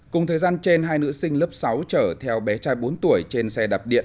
cùng thời gian trên hai nữ sinh lớp sáu chở theo bé trai bốn tuổi trên xe đạp điện